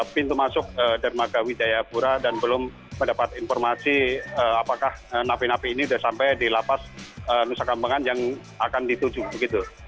pintu masuk dermaga wijayapura dan belum mendapat informasi apakah napi napi ini sudah sampai di lapas nusa kambangan yang akan dituju begitu